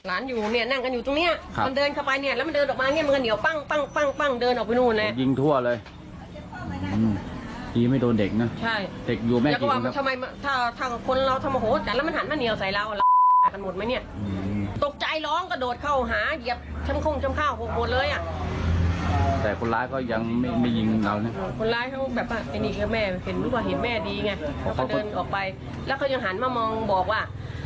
อันนี้แค่แม่เห็นแม่ดีแล้วก็เดินออกไปแล้วก็ยังหันมาบอกว่า